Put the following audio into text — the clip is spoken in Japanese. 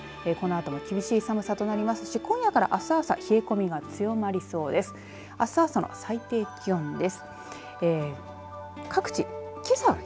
このあとは厳しい寒さとなりますし今夜からあす朝冷え込みが強まりそうです。